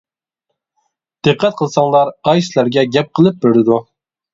دىققەت قىلساڭلار ئاي سىلەرگە گەپ قىلىپ بېرىدۇ.